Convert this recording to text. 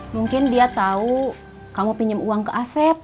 mungkin dia tahu kamu pinjam uang ke asep